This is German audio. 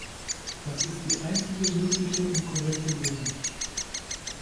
Das ist die einzige mögliche und korrekte Lösung.